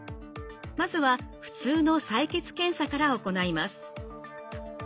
まずは普通の採血検査から行います。